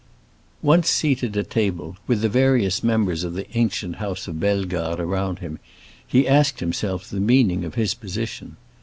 Once seated at table, with the various members of the ancient house of Bellegarde around him, he asked himself the meaning of his position.